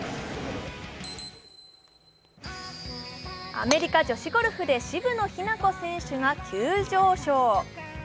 アメリカ女子ゴルフで渋野日向子選手が急上昇。